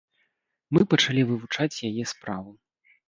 Мы пачалі вывучаць яе справу.